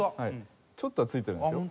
ちょっとはついてるんですよ。